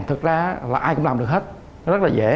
thực ra là ai cũng làm được hết nó rất là dễ